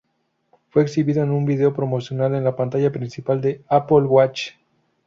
Fue exhibido en un video promocional en la pantalla principal del Apple Watch.